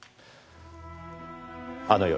あの夜。